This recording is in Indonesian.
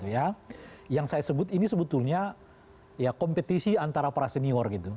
yang saya sebut ini sebetulnya kompetisi antara para senior